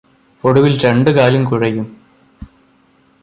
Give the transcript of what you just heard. ഒടുവില് രണ്ടു കാലും കുഴയും